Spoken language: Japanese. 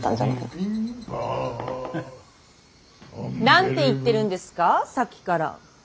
何て言ってるんですかさっきから。